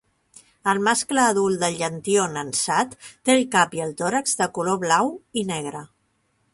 El mascle adult del llantió nansat té el cap i el tòrax de color blau i negre.